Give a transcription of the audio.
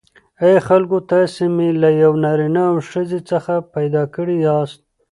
ای خلکو تاسی می له یوه نارینه او ښځی څخه پیداکړی یاست